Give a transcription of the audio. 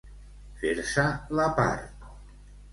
Fer-se la part.